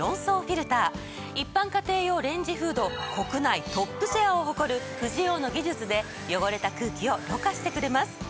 一般家庭用レンジフード国内トップシェアを誇るフジオーの技術で汚れた空気をろ過してくれます。